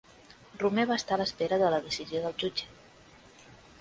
Romeva està a l'espera de la decisió del jutge